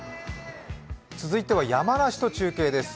続いては山梨と中継です。